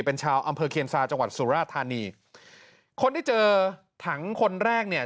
เป็นชาวอำเภอเคียนซาจังหวัดสุราธานีคนที่เจอถังคนแรกเนี่ย